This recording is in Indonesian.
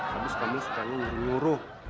habis kamu suka nyuruh nyuruh